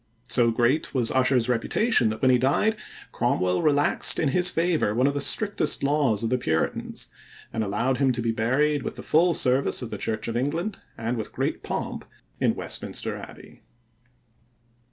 So great was Ussher's reputation that when he died Cromwell relaxed in his favor one of the strictest laws of the Puritans and allowed him to be buried with the full service of the Church of England, and with great pomp, in Westminster Abbey.